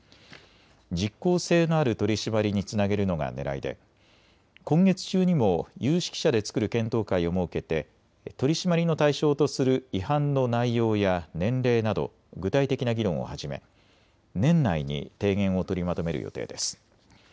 実効性のある取締りにつなげるのがねらいで今月中にも有識者で作る検討会を設けて取締りの対象とする違反の内容や年齢など具体的な議論を始め年内に提言を取りまとめる予定です。